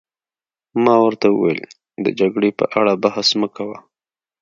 ما ورته وویل: د جګړې په اړه بحث مه کوه.